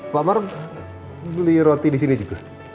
pak amar beli roti disini juga